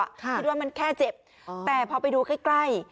คิดว่ามันแค่เจ็บแต่พอไปดูใกล้